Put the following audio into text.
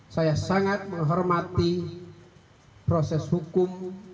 saya sangat menghormati proses hukum